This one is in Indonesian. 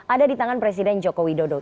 ada di tangan presiden joko widodo